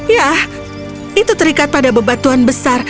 ya itu terikat pada bebatuan besar